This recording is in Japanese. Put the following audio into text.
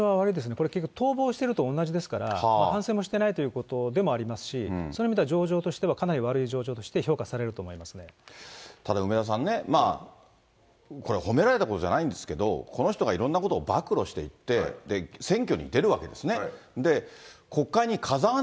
これ、逃亡してると同じですから、反省もしてないということでもありますし、そういう意味では、上場としてはかなり悪いじょうじょうとして評価されると思います梅沢さんね、これは褒められたことではないんですけど、この人がいろんなことを暴露していって、選挙に出るわけですね。